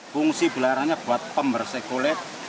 fungsi belarannya buat pembersih kulit